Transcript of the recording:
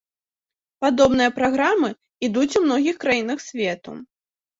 Падобныя праграмы ідуць у многіх краінах свету.